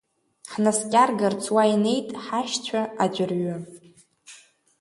Ҳнаскьаргарц уа инеит ҳашьцәа аӡәырҩы.